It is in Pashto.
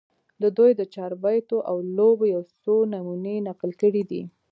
د دوي د چاربېتواو لوبو يو څو نمونې نقل کړي دي